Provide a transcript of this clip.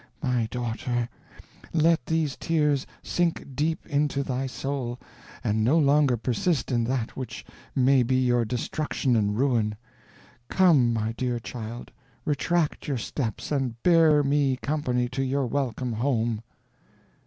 My daughter, let these tears sink deep into thy soul, and no longer persist in that which may be your destruction and ruin. Come, my dear child, retract your steps, and bear me company to your welcome home."